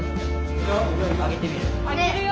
上げるよ。